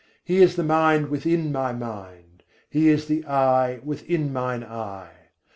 He is the Mind within my mind: He is the Eye within mine eye.